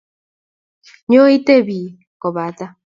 Nyo, itebi kobota.